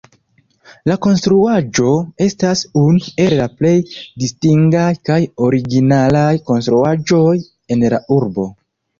La konstruaĵo estas unu el la plej distingaj kaj originalaj konstruaĵoj en la urbo.